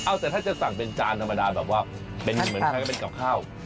อ้าวแต่ถ้าจะสั่งเป็นจานธรรมดาแบบว่าเป็นเหมือนกับกล่าวข้าว